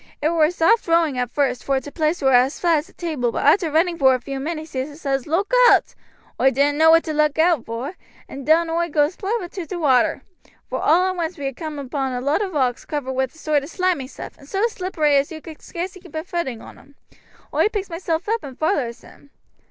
It war soft rowing at first, vor t' place war as flat as a table, but arter running vor a vew minutes he says, 'Look owt!' Oi didn't know what to look owt vor, and down oi goes plump into t' water. Vor all at once we had coomed upon a lot o' rocks covered wi' a sort of slimy stuff, and so slippery as you could scarce keep a footing on 'em. Oi picks myself up and vollers him.